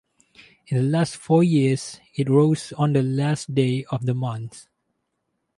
In the last four years it rose on the last day of the month.